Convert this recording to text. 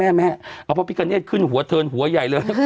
แม่เอาพระพิกาเนตขึ้นหัวเทินหัวใหญ่เลย